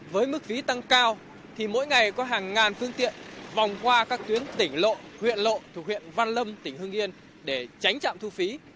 với mức phí tăng cao thì mỗi ngày có hàng ngàn phương tiện vòng qua các tuyến tỉnh lộ huyện lộ thuộc huyện văn lâm tỉnh hưng yên để tránh trạm thu phí